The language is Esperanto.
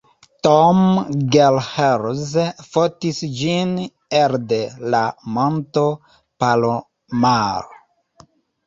Tom Gehrels fotis ĝin elde la Monto Palomar.